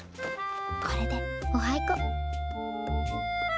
これでおあいこ。